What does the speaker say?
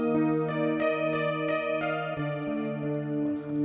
kum saya makan di luar aja ya